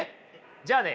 じゃあね